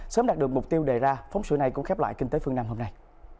sớm đạt được mục tiêu đề ra phóng sự này cũng khép lại kinh tế phương nam hôm nay